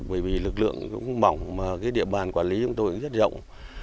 bởi vì lực lượng cũng mỏng mà địa bàn quản lý của chúng tôi cũng rất rộng